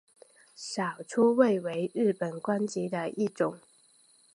少初位为日本官阶的一种。